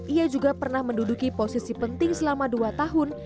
ia juga pernah menduduki posisi penting selama dua tahun